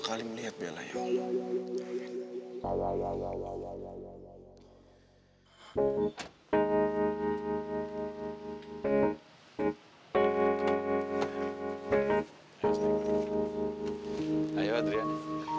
kamu gak stay aja di sini